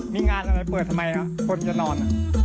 มีงานอะไรเปิดทำไมนะคนจะนอน